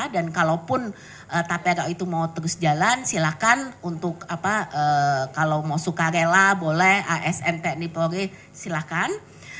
dan kalaupun tapera itu mau terus jalan silakan untuk apa kalau mau suka rela boleh asnp nipore silakan